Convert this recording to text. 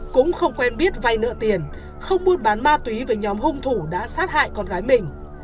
cũng không quen biết vay nợ tiền không buôn bán ma túy với nhóm hung thủ đã sát hại con gái mình